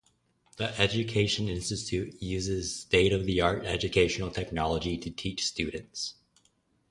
The education institution uses state of the art educational technology to teach students.